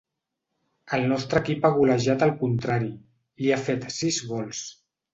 El nostre equip ha golejat el contrari: li ha fet sis gols.